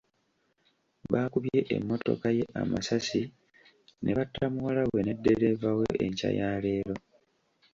Baakubye emmotoka ye amasasi ne batta muwala we ne ddereeva we enkya ya leero.